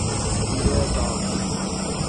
Beware of dogs.